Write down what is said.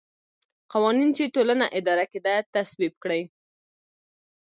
قوانین چې ټولنه اداره کېده تصویب کړي.